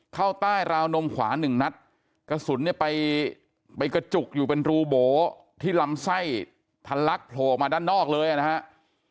เข้าใต้ราวนมขวาหนึ่งนัดกระสุนเนี่ยไปไปกระจุกอยู่เป็นรูโบที่ลำไส้ทันลักโผล่ออกมาด้านนอกเลยนะครับ